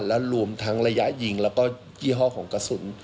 และรวมทั้งระยะยิงแล้วก็ยี่ห้อของกระสุน